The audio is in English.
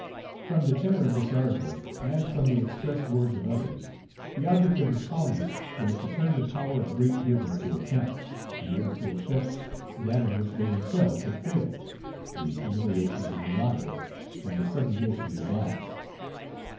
From the tenor of this article, and from the express words of others, the object of the colonists was to turn the power of Great Britain to account, in order to effect that in which they themselves had failed, the humiliation of the mulattoes and the subjugation of the blacks.